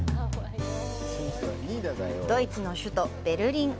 ドイツの首都ベルリン。